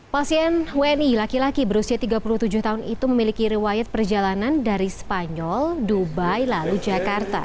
pasien wni laki laki berusia tiga puluh tujuh tahun itu memiliki riwayat perjalanan dari spanyol dubai lalu jakarta